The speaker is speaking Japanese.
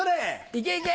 いけいけ！